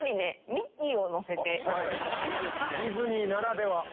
ディズニーならでは！